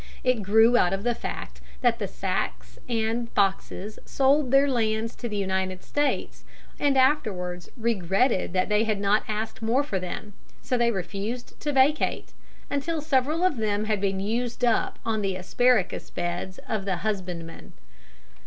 It grew out of the fact that the Sacs and Foxes sold their lands to the United States and afterwards regretted that they had not asked more for them: so they refused to vacate, until several of them had been used up on the asparagus beds of the husbandman.